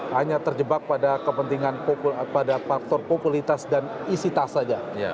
hanya terjebak pada kepentingan pada faktor populitas dan isi tas saja